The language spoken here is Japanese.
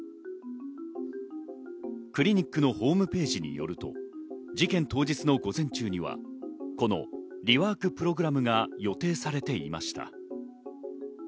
クリニックのホームページによると、事件当日の午前中にはこのリワークプログラムが予定されていました。